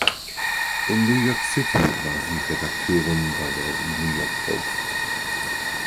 In New York City war sie Redakteurin bei der „New York Post“.